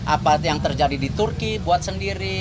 apa yang terjadi di turki buat sendiri